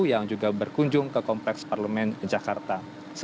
yang juga berkunjung ke kompleks parlemen jakarta